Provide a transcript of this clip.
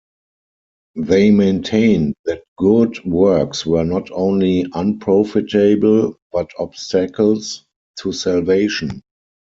They maintained that good works were not only unprofitable, but obstacles, to salvation.